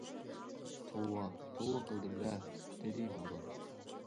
توۋا، توۋا قىلدىم دە، -دېدى مەۋلان.